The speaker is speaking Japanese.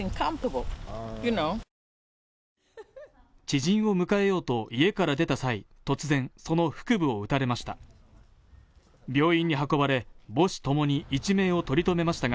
知人を迎えようと家から出た際突然、その腹部を撃たれました。